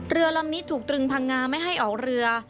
เรือลำนี้ถูกตรึงพังงาไม่ให้ออกเรือ